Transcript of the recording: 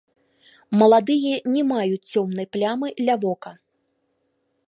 Маладыя не маюць цёмнай плямы ля вока.